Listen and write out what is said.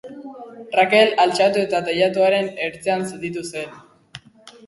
Rakel altxatu eta teilatuaren ertzean zutitu zen.